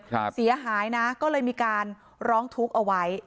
เสียหายนะก็เลยมีการร้องทุกข์เอาไว้